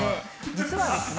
実はですね